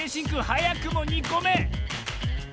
はやくも２こめ！